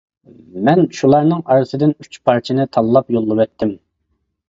مەن شۇلارنىڭ ئارىسىدىن ئۈچ پارچىنى تاللاپ يوللىۋەتتىم.